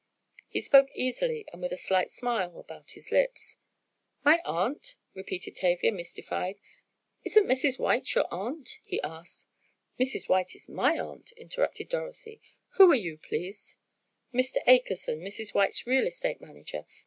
He spoke easily, and with a slight smile about his lips. "My aunt?" repeated Tavia, mystified, "I haven't an aunt!" "Isn't Mrs. White your aunt," he asked. "Mrs. White is my aunt," interrupted Dorothy. "Who are you please?" "Mr. Akerson, Mrs. White's real estate manager.